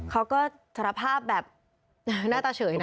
เขาก็สารภาพแบบหน้าตาเฉยนะ